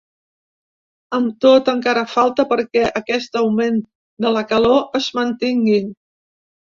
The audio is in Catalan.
Amb tot, encara falta perquè aquest augment de la calor es mantingui.